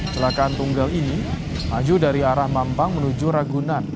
celakaan tunggal ini maju dari arah mampang menuju ragunan